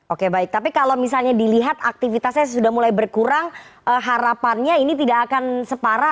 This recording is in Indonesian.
oke baik tapi kalau misalnya dilihat aktivitasnya sudah mulai berkurang harapannya ini tidak akan separah